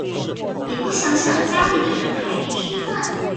也不想想家裡的人還沒吃飯